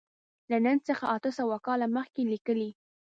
له نن څخه اته سوه کاله مخکې لیکلی.